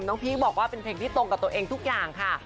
พีคบอกว่าเป็นเพลงที่ตรงกับตัวเองทุกอย่างค่ะ